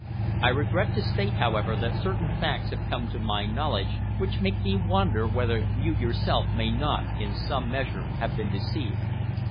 I regret to state, however, that certain facts have come to my knowledge which make me wonder whether you yourself may not in some measure have been deceived."